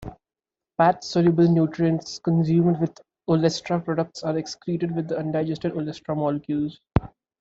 Fat-soluble nutrients consumed with olestra products are excreted with the undigested olestra molecules.